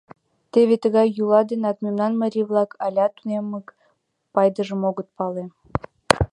Теве тыгай йӱла денак мемнан марий-влак алят тунеммык пайдажым огыт пале.